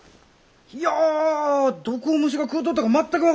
いやどこを虫が食うとったか全く分からんなあ。